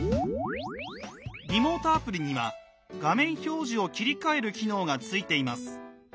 リモートアプリには画面表示を切り替える機能がついています。